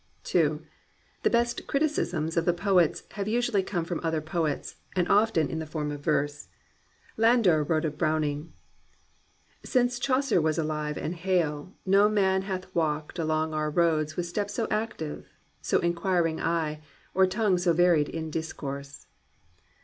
n The best criticisms of the poets have usually come from other poets, and often in the form of verse. Landor wrote of Browning, "Since Chaucer was alive and hale No man hath walked along our roads with step So active, so inquiring eye, or tongue So varied in discourse."